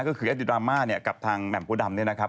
ก็คืออาจารย์ดราม่ากับทางแมมโพดำเนี่ยนะครับ